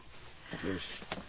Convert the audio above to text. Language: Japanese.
よし。